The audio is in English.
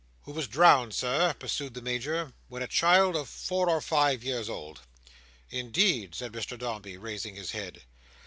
"Who was drowned, Sir," pursued the Major. "When a child of four or five years old." "Indeed?" said Mr Dombey, raising his head.